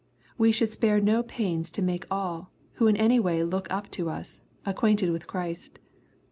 We should spare no pains to make all, who in any way look up to us, acquainted with Christ.